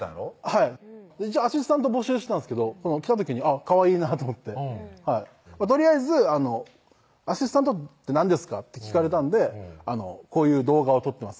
はいアシスタント募集してたんですけど来た時にかわいいなと思ってとりあえず「アシスタントって何ですか？」って聞かれたんで「こういう動画を撮ってます